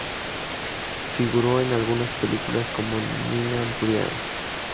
Figuró en algunas películas como Nina Brian.